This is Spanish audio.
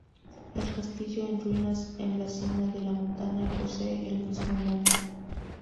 El castillo en ruinas en la cima de la montaña posee el mismo nombre.